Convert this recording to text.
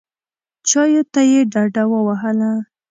چایو ته یې ډډه ووهله.